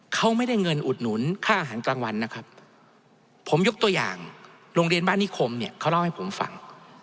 เขาไม่ได้เงินอุดหนุนค่าอาหารกลางวันนะครับผมยกตัวอย่างโรงเรียนบ้านนิคมเนี่ยเขาเล่าให้ผมฟัง